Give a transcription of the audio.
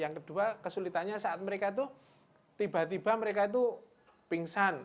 yang kedua kesulitannya saat mereka tuh tiba tiba mereka itu pingsan